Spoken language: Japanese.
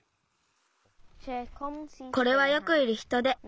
これはよくいるヒトデ。